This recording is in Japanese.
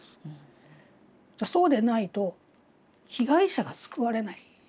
そうでないと被害者が救われない。